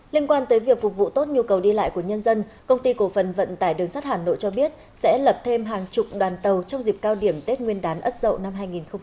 liên quan tới việc phục vụ tốt nhu cầu đi lại của nhân dân công ty cổ phần vận tải đường sắt hà nội cho biết sẽ lập thêm hàng chục đoàn tàu trong dịp cao điểm tết nguyên đán ậu năm hai nghìn hai mươi